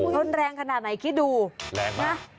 โอ้โหแรงขนาดไหนคิดดูนะแรงมาก